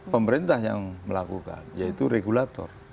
pemerintah yang melakukan yaitu regulator